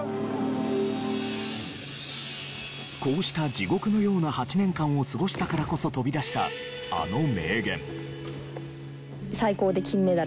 こうした地獄のような８年間を過ごしたからこそ飛び出したあの名言。